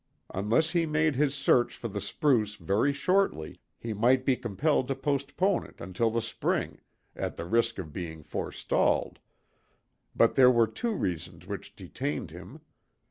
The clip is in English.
Unless he made his search for the spruce very shortly, he might be compelled to postpone it until the spring, at the risk of being forestalled; but there were two reasons which detained him.